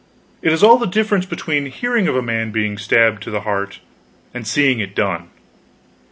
It is all the difference between hearing of a man being stabbed to the heart, and seeing it done.